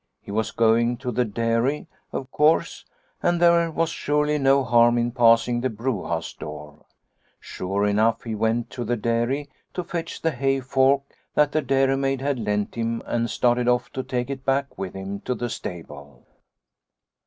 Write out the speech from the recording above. He was going to the dairy, of course, and there was surely no harm in passing the brewhouse door. Sure enough he went to the dairy to fetch the hay fork that the dairy maid had lent him and started off to take it back 66 Liliecrona's Home with him to the stable.